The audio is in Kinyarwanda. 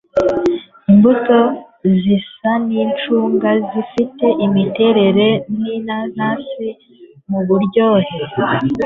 imbuto zisa nicunga rifite imiterere ninanasi muburyohe